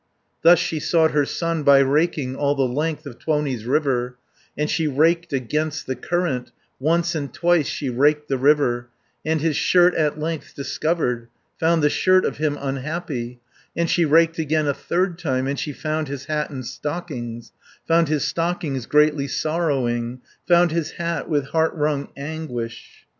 Thus she sought her son by raking All the length of Tuoni's river, 250 And she raked against the current, Once and twice she raked the river, And his shirt at length discovered, Found the shirt of him unhappy, And she raked again a third time, And she found his hat and stockings, Found his stockings, greatly sorrowing, Found his hat, with heart wrung anguish.